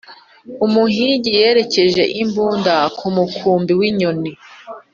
umuhigi yerekeje imbunda ku mukumbi w'inyoni.